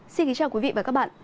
xin kính chào quý vị và các bạn